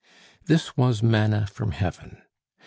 This was manna from heaven.